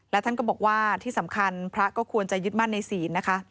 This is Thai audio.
และท่านก็บอกว่าที่สำคัญพระก็ควรจะยึดมั่นในศีลนะคะ